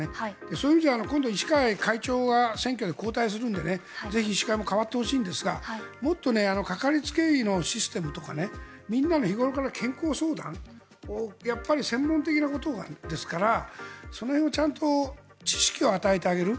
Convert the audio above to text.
そういう意味では今後、医師会会長が選挙で交代するのでぜひ医師会も変わってほしいんですがもっとかかりつけ医のシステムとかみんなの日頃の健康相談をやっぱり、専門的なことですからその辺をちゃんと意識を与えてあげる。